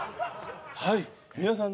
はい皆さん